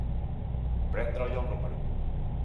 Prendre-li el número.